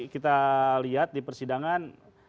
kita lihat di persidangan